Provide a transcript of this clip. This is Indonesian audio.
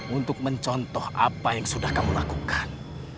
untuk mencontoh apa yang sudah kamu lakukan